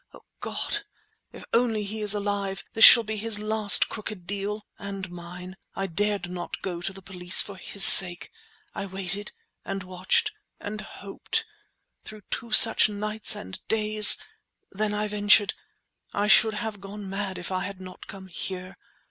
O God! if only he is alive, this shall be his last crooked deal—and mine! I dared not go to the police, for his sake! I waited, and watched, and hoped, through two such nights and days ... then I ventured. I should have gone mad if I had not come here.